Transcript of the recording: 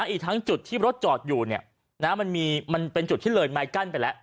อีกทั้งจุดที่รถจอดอยู่มันเป็นจุดที่เลยไม้กั้นไปแล้ว